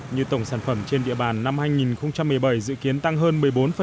như tổng sản phẩm trên địa bàn năm hai nghìn một mươi bảy dự kiến tăng hơn một mươi bốn